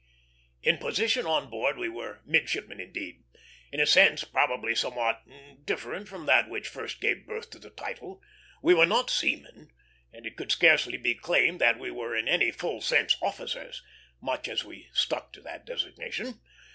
In position on board we were midshipmen indeed, in a sense probably somewhat different from that which first gave birth to the title. We were not seamen; and it could scarcely be claimed that we were in any full sense officers, much as we stuck to that designation.